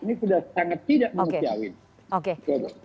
ini sudah sangat tidak manusiawi